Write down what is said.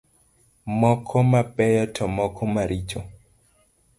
Moko mabeyo to moko maricho.